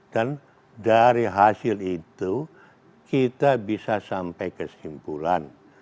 dan dari hasil itu kita bisa sampai kesimpulan